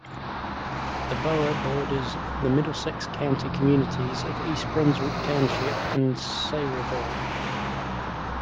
The borough borders the Middlesex County communities of East Brunswick Township and Sayreville.